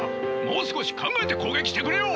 もう少し考えて攻撃してくれよ！